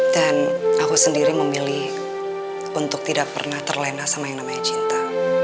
dan aku sendiri memilih untuk tidak pernah terlena sama yang namanya cinta